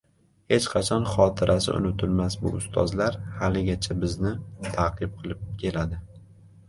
Hech qachon xotirasi unutilmas bu ustozlar haligacha bizni “ta’qib” qilib keladi.